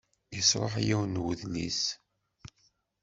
Yesṛuḥ yiwen n udlis.